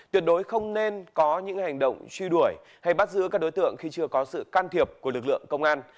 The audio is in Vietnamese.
tuyệt đối không nên có những hành động truy đuổi hay bắt giữ các đối tượng khi chưa có sự can thiệp của lực lượng công an